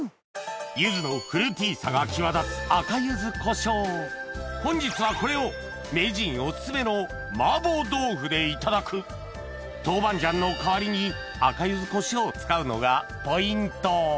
ゆずのフルーティーさが際立つ赤ゆずこしょう本日はこれを名人お薦めの麻婆豆腐でいただく豆板醤の代わりに赤ゆずこしょうを使うのがポイント